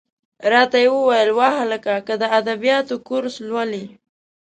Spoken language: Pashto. را ته یې وویل: وهلکه! که د ادبیاتو کورس لولې.